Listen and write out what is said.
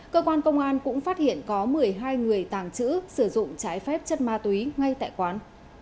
cơ quan công an cũng phát hiện có một mươi hai người tàng trữ sử dụng trái phép chất ma túy ngay tại quán